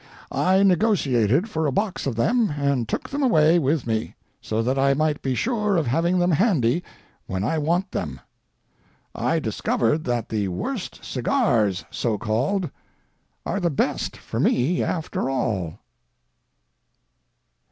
I negotiated for a box of them and took them away with me, so that I might be sure of having them handy when I want them. I discovered that the "worst cigars," so called, are the best for me, after all.